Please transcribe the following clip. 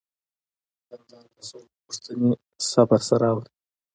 دوکاندار د خلکو پوښتنې صبر سره اوري.